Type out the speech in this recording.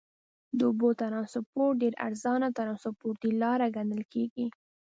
د اوبو ترانسپورت ډېر ارزانه ترنسپورټي لاره ګڼل کیږي.